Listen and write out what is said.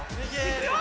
いくよ！